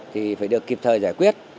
thì phải được kịp thời giải quyết